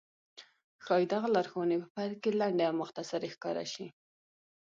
ښايي دغه لارښوونې په پيل کې لنډې او مختصرې ښکاره شي.